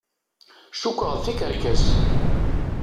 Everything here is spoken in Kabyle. Cukkeɣ d tikerkas.